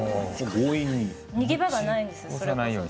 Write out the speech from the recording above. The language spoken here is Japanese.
逃げ場がないんですそれこそ。